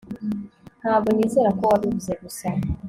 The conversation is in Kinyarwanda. ntabwo nizera ko wabivuze gusa